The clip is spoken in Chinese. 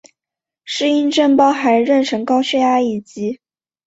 适应症包含妊娠高血压以及。